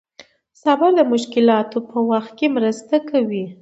صبر د مشکلاتو په وخت کې مرسته کوي.